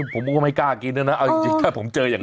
ผมก็ไม่กล้ากินนะถ้าผมเจออย่างนั้น